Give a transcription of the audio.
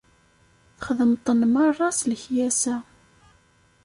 Txedmeḍ-ten merra s lekyasa.